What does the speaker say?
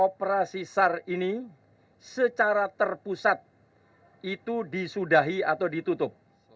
operasi sar ini secara terpusat itu disudahi atau ditutup